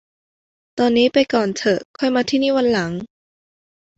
ตอนนี้ไปก่อนเถอะ ค่อยมาที่นี่วันหลัง